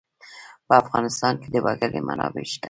په افغانستان کې د وګړي منابع شته.